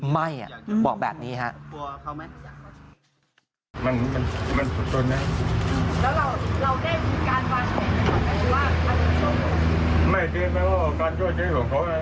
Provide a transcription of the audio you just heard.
ไม่เฟียร์แต่การช่วยเสียของเขานะ